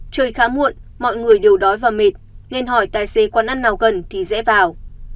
trời khá muộn mọi người đều đói và mịt nên hỏi tài xế quán ăn nào gần thì dễ vào